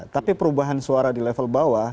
tapi perubahan suara di level bawah